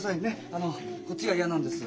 あのこっちが嫌なんです。